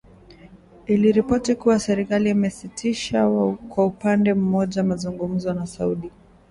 Iliripoti kuwa serikali imesitisha kwa upande mmoja mazungumzo na Saudi.